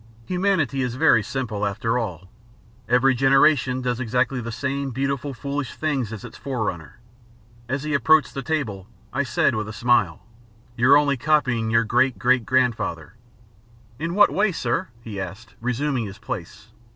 Humanity is very simple, after all. Every generation does exactly the same beautiful, foolish things as its forerunner. As he approached the table, I said with a smile: "You're only copying your great great grandfather." "In what way, sir?" he asked, resuming his place.